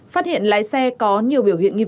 phát hiện lái xe có nhiều biểu hiện nghi